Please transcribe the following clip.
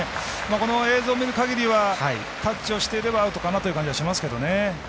この映像を見るかぎりはタッチをしていればアウトかなという感じはしますが。